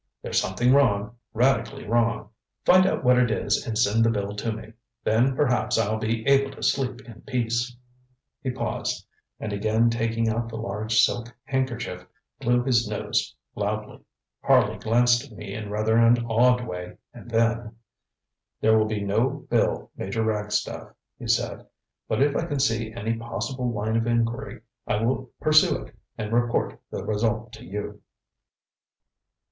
There's something wrong, radically wrong. Find out what it is and send the bill to me. Then perhaps I'll be able to sleep in peace. ŌĆØ He paused, and again taking out the large silk handkerchief blew his nose loudly. Harley glanced at me in rather an odd way, and then: ŌĆ£There will be no bill, Major Ragstaff, ŌĆØ he said; ŌĆ£but if I can see any possible line of inquiry I will pursue it and report the result to you.